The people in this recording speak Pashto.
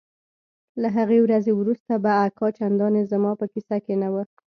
له هغې ورځې وروسته به اکا چندانې زما په کيسه کښې نه و.